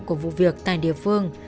của vụ việc tại địa phương